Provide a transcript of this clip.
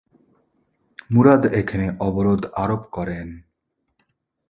মুরাদ এখানে অবরোধ আরোপ করেন।